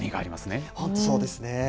本当そうですね。